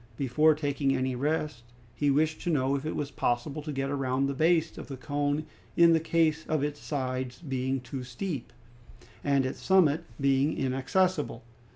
Before taking any rest, he wished to know if it was possible to get round the base of the cone in the case of its sides being too steep and its summit being inaccessible.